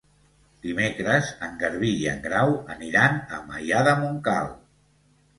Dimecres en Garbí i en Grau aniran a Maià de Montcal.